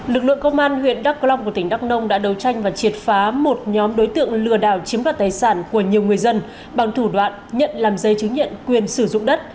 lực lượng công an huyện đắk long của tỉnh đắk nông đã đấu tranh và triệt phá một nhóm đối tượng lừa đảo chiếm đoạt tài sản của nhiều người dân bằng thủ đoạn nhận làm giấy chứng nhận quyền sử dụng đất